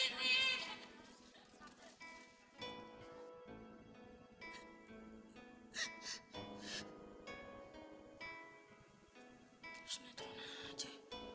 terus menerima aja